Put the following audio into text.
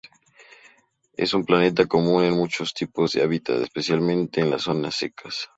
Es una planta común en muchos tipos de hábitat, especialmente en las zonas secas.